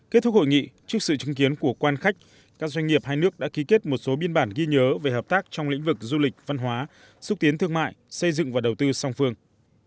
kết thúc hội nghị trước sự chứng kiến của quan khách các doanh nghiệp hai nước đã ký kết một số biên bản ghi nhớ về hợp tác trong lĩnh vực du lịch văn hóa xúc tiến thương mại xây dựng và đầu tư song phương